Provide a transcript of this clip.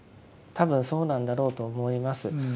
多分そうなんだろうと思います。